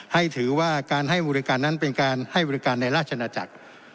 ให้ถือว่าการให้บริการนั้นเป็นการให้บริการในราชนาจักร